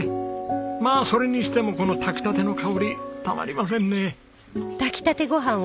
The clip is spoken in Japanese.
まあそれにしてもこの炊きたての香りたまりませんね。